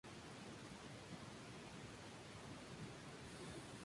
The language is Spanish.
Entre los hablantes de español predomina el dialecto del nordeste.